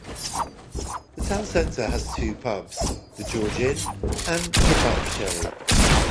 The town centre has two pubs, the "George Inn" and the "Butt of Sherry".